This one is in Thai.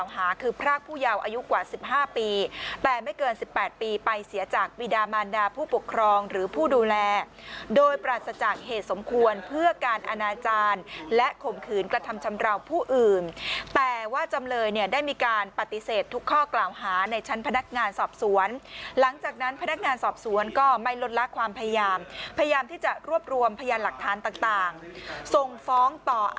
หาคือพรากผู้เยาว์อายุกว่า๑๕ปีแต่ไม่เกิน๑๘ปีไปเสียจากปีดามานดาผู้ปกครองหรือผู้ดูแลโดยปราศจากเหตุสมควรเพื่อการอนาจารย์และข่มขืนกระทำชำราวผู้อื่นแต่ว่าจำเลยเนี่ยได้มีการปฏิเสธทุกข้อกล่าวหาในชั้นพนักงานสอบสวนหลังจากนั้นพนักงานสอบสวนก็ไม่ลดละความพยายามพยายามที่จะรวบรวมพยานหลักฐานต่างส่งฟ้องต่อ